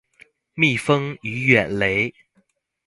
蜜蜂與遠雷